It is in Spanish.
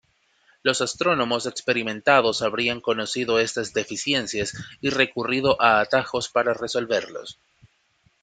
Los astrónomos experimentados habrían conocido estas deficiencias y recurrido a atajos para resolverlos.